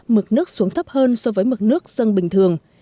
mực nước xuống thấp hơn so với mực nước dân bình thường